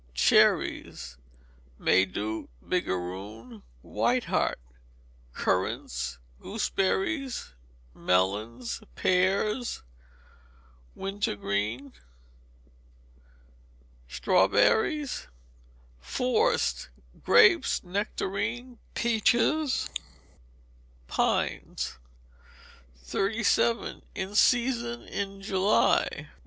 Cherries: May duke, bigaroon, white heart. Currants; gooseberries; melons. Pears: Winter green. Strawberries. Forced: Grapes, nectarines, peaches, pines. 37. In Season in July.